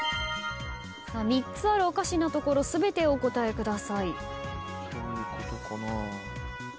３つあるおかしなところ全てお答えください。